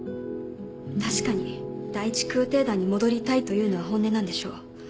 確かに第１空挺団に戻りたいというのは本音なんでしょう。